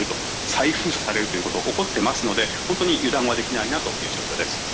再封鎖されるということが起こっていますので油断はできないなという状況です。